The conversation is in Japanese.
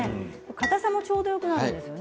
かたさもちょうどよくなるんですよね。